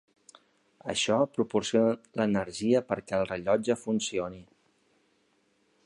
Això proporciona l'energia perquè el rellotge funcioni.